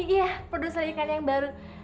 iya produser ikan yang baru